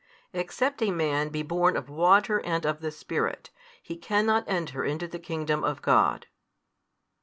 Except a man be born of water and of the Spirit, he cannot enter into the Kingdom of God.